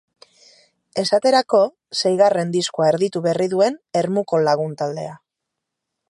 Esaterako, seigarren diskoa erditu berri duen Ermuko lagun taldea.